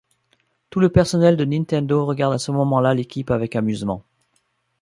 Tout le personnel de Nintendo regarde à ce moment-là l'équipe avec amusement.